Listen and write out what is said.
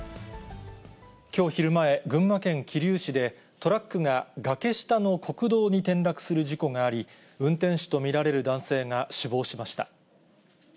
きょう昼前、群馬県桐生市で、トラックが崖下の国道に転落する事故があり、運転手と見られる男性が死亡しました。